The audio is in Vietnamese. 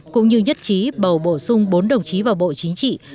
cũng như nhất trí bầu bổ sung bốn đồng chí vào bộ chính trị